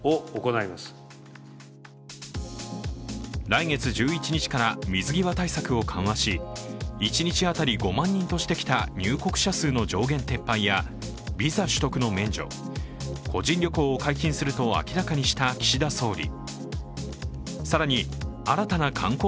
来月１１日から水際対策を緩和し、一日当たり５万人としてきた入国者数の上限撤廃やビザ取得の免除、個人旅行を解禁すると明らかにした岸田総理。